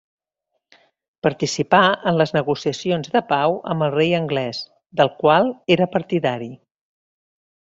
Participà en les negociacions de pau amb el rei anglès, del qual era partidari.